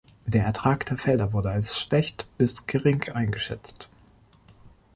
Der Ertrag der Felder wurde als schlecht bis gering eingeschätzt.